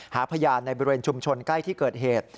หาพยานในบริเวณชุมชนใกล้ที่เกิดเหตุ